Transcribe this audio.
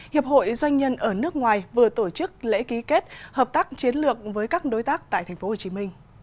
hiệp hội doanh nhân ở nước ngoài vừa tổ chức lễ ký kết hợp tác chiến lược với các đối tác tại tp hcm